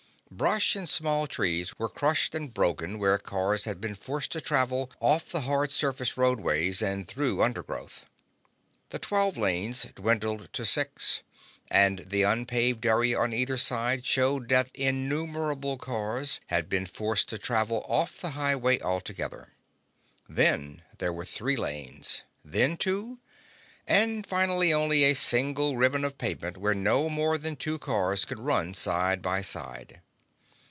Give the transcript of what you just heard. Brush and small trees were crushed and broken where cars had been forced to travel off the hard surface roadways and through undergrowth. The twelve lanes dwindled to six, and the unpaved area on either side showed that innumerable cars had been forced to travel off the highway altogether. Then there were three lanes, and then two, and finally only a single ribbon of pavement where no more than two cars could run side by side.